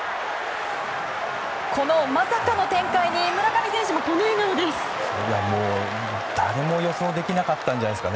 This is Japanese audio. このまさかの展開に村上選手もこの笑顔です。